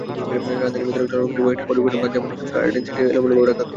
রাজধানীর ভেতরে চলাচলকারী কয়েকটি পরিবহনের বাস জাপান গার্ডেন সিটির সামনে এলোমেলোভাবে রাখা হতো।